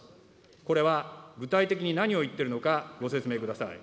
これは具体的に何を言っているのか、ご説明ください。